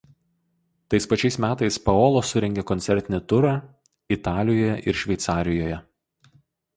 Tais pačiais metais Paolo surengė koncertinį turą Italijoje ir Šveicarijoje.